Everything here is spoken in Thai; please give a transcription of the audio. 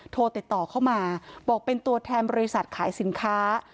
โทรติดต่อเข้ามาบอกเป็นตัวแทนบริษัทขายสินค้า